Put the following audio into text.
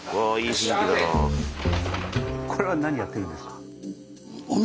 これは何やってるんですか？